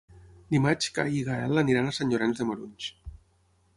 Dimarts en Cai i en Gaël aniran a Sant Llorenç de Morunys.